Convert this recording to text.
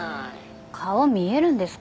顔見えるんですか？